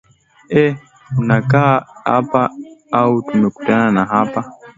e unakaa hapa au tumekutana tu hapa